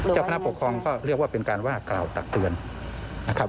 เจ้าคณะปกครองก็เรียกว่าเป็นการว่ากล่าวตักเตือนนะครับ